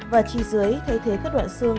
và chi dưới thay thế các đoạn xương